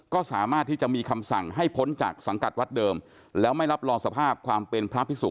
ก็สามารถที่จะมีคำสั่งให้พ้นจากสังกัดวัดเดิมแล้วไม่รับรองสภาพความเป็นพระพิสุ